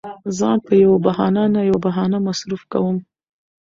ځان په يوه بهانه نه يوه بهانه مصروف کوم.